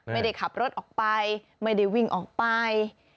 ไม่ได้ขับรถออกไปไม่ได้วิ่งออกไป